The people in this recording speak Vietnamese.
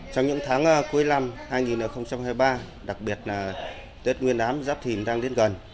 trong những tháng cuối năm hai nghìn hai mươi ba đặc biệt là tết nguyên ám giáp thìn đang đến gần